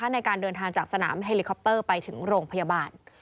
ในการเดินทางจากสนามเฮลิคอปเตอร์ไปถึงโรงพยาบาล